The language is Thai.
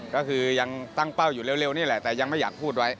ก็คือยังตั้งเป้าอยู่เร็วนี่แหละแต่ยังไม่อยากพูดไว้